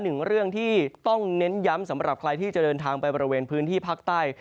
หนึ่งเรื่องที่ต้องเน้นย้ำสำหรับใครที่จะเดินทางไปบริเวณพื้นที่ภาคใต้